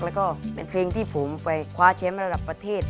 แล้วก็เป็นเพลงที่ผมไปคว้าแชมป์ระดับประเทศ